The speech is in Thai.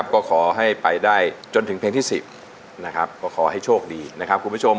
ก็ขอให้ไปได้จนถึงเพลงที่๑๐นะครับก็ขอให้โชคดีนะครับคุณผู้ชม